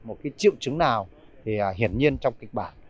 một cái triệu chứng nào thì hiển nhiên trong kịch bản